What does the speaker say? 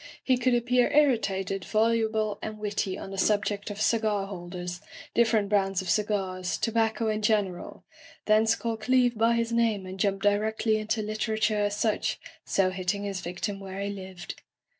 He could appear irritated, volu ble, and witty on the subject of cigar holders, different brands of cigars, tobacco in general — thence call Cleeve by his name and jump direcdy into literature as such, so hitting his victim where he lived.